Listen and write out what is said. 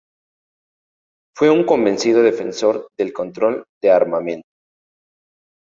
Fue un convencido defensor del control de armamentos.